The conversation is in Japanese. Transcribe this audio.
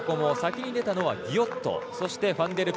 先に出たのはギオット。